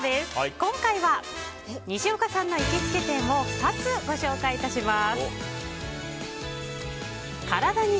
今回は、西岡さんの行きつけ店を２つご紹介いたします。